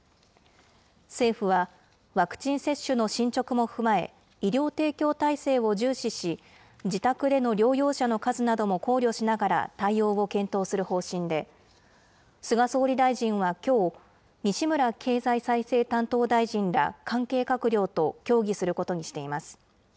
政府は、ワクチン接種の進捗も踏まえ、医療提供体制を重視し、自宅での療養者の数なども考慮しながら対応を検討する方針で、菅総理大臣はきょう、西村経済再生担当大臣ら関係閣僚と協議することにしています。